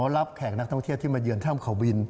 แขกนักท่องเที่ยวที่มาเยือนถ้ำเขาบิน